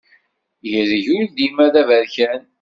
Ireg ur dima d aberkan.